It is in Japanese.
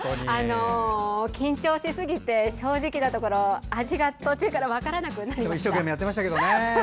緊張しすぎて正直なところ味が途中から分からなくなりました。